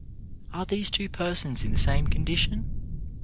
Are these two persons in the same condition?